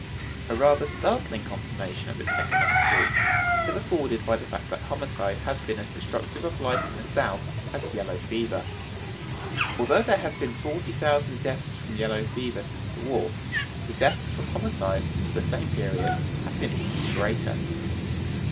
A rather startling confirmation of this economic truth is afforded by the fact that homicide has been as destructive of life in the South as yellow fever. Although there have been forty thousand deaths from yellow fever since the war, the deaths from homicide, for the same period, have been even greater."